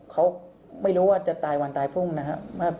เขาไม่รู้ว่าจะตายวันตายพรุ่งนะครับ